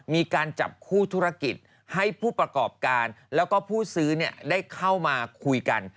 มีการจับคู่ธุรกิจให้ผู้ประกอบการแล้วก็ผู้ซื้อได้เข้ามาคุยกัน